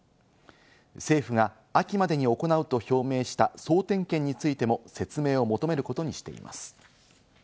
政府が秋までに行うと表明した総点検についても説明を求めることにしています。